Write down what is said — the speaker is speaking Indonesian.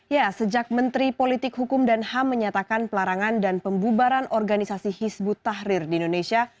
ya sejak menteri politik hukum dan ham menyatakan pelarangan dan pembubaran organisasi hizbut tahrir di indonesia